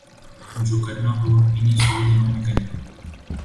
جو کرنا ہو انہی سو دنوں میں کریں۔